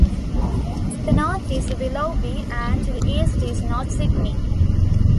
To the north is the Willoughby and to the east is North Sydney.